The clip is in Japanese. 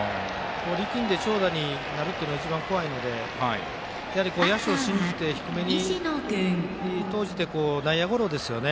力んで長打になるっていうのが一番怖いのでやはり野手を信じて低めに投じて内野ゴロですね